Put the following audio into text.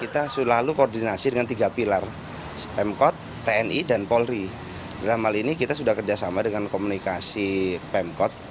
tni dan polri dalam hal ini kita sudah kerjasama dengan komunikasi pemkot